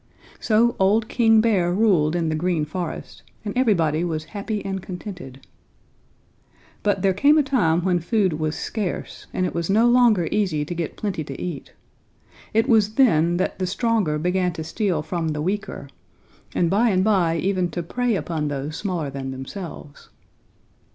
So Old King Bear ruled in the Green Forest, and everybody was happy and contented. "But there came a time when food was scarce, and it was no longer easy to get plenty to eat. It was then that the stronger began to steal from the weaker, and by and by even to prey upon those smaller than themselves.